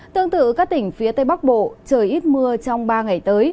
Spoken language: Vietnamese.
tương tự các tỉnh phía tây bắc bộ trời ít mưa trong ba ngày tới